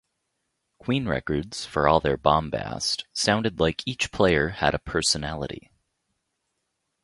Queen records, for all their bombast, sounded like each player had a personality.